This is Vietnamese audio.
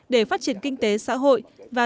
để phát triển kinh tế xã hội và giải pháp